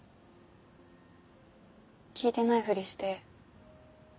聞いてないふりして。